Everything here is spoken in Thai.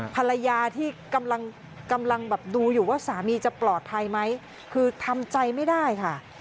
ภรรยาที่กำลังกำลังแบบดูอยู่ว่าสามีจะปลอดภัยไหมคือทำใจไม่ได้ค่ะ